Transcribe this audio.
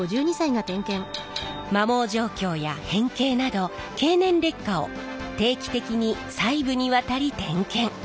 摩耗状況や変形など経年劣化を定期的に細部にわたり点検。